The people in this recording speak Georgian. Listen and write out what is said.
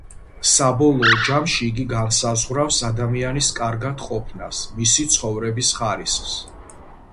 საბოლოო ჯამში იგი განსაზღვრავს ადამიანის კარგად ყოფნას, მისი ცხოვრების ხარისხს.